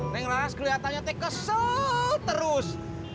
neng laras kelihatannya teg kesel terus